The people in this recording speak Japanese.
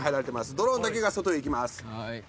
ドローンだけが外へ行きます。